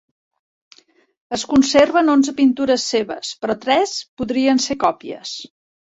Es conserven onze pintures seves però tres podrien ser còpies.